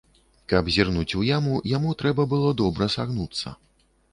Каб зірнуць у яму, яму трэба было добра сагнуцца.